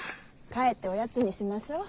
帰っておやつにしましょう。